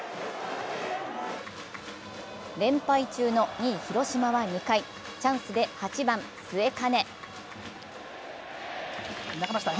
連敗中の２位、広島は２回、チャンスで８番・末包。